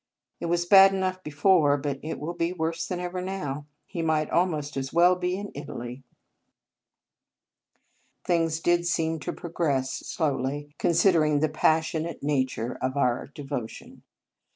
It was bad enough before, but it will be worse than ever now. He might al most as well be in Italy." Things did seem to progress slowly, considering the passionate nature of 12 Marianus our devotion.